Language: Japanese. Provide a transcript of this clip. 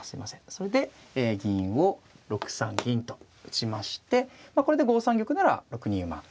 それで銀を６三銀と打ちましてこれで５三玉なら６二馬。